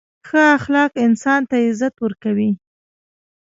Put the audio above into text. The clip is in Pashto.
• ښه اخلاق انسان ته عزت ورکوي.